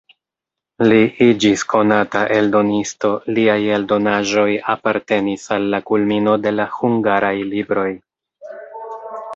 Li iĝis konata eldonisto, liaj eldonaĵoj apartenis al la kulmino de la hungaraj libroj.